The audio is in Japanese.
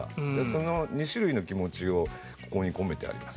その２種類の気持ちをここに込めてあります。